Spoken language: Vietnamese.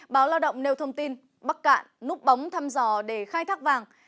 báo lao động nêu thông tin bắc cạn núp bóng thăm dò để khai thác vàng